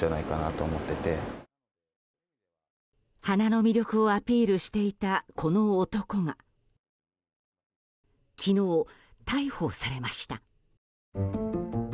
花の魅力をアピールしていたこの男が昨日、逮捕されました。